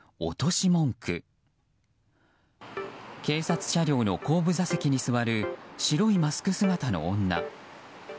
警察車両の後部座席に座る白いマスク姿の女。